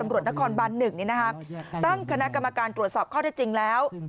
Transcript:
นี่นะครับตั้งคณะกรรมการตรวจสอบเข้าแล้ว